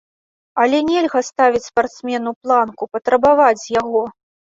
Але нельга ставіць спартсмену планку, патрабаваць з яго.